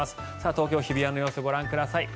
東京・日比谷の様子ご覧ください。